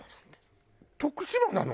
徳島なの？